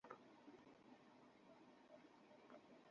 হঠাৎ দেখলাম কলকাতার একটি নতুন ছবি এখানে মুক্তির অনুমতি পেয়ে গেল।